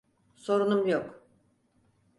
Sorunum yok.